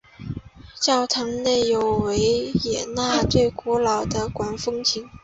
教堂内有维也纳最古老的管风琴。